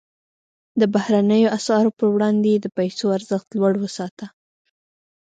د بهرنیو اسعارو پر وړاندې یې د پیسو ارزښت لوړ وساته.